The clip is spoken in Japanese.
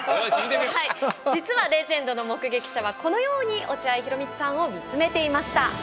実はレジェンドの目撃者はこのように落合博満さんを見つめていました。